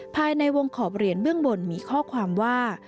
ภายในวงขอบเหรียญเบื้องบนมีข้อความว่า